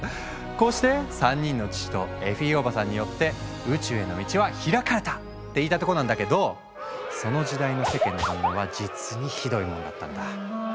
こうして３人の父とエフィーおばさんによって宇宙への道は開かれた！って言いたいとこなんだけどその時代の世間の反応は実にひどいもんだったんだ。